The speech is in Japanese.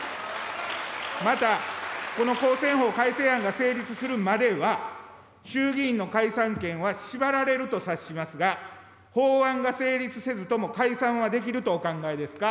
また、この公選法改正案が成立するまでは、衆議院の解散権は縛られると察しますが、法案が成立せずとも解散はできるとお考えですか。